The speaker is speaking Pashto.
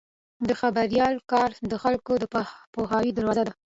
د خبریال کار د خلکو د پوهاوي دروازه ده.